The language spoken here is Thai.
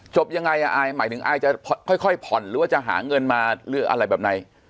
จบยังไงอ่ะอายหมายถึงอายจะค่อยผ่อนหรือว่าจะหาเงินมาหรืออะไรแบบไหน